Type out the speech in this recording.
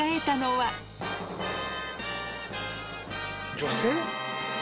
女性？